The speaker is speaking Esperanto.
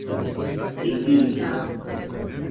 efika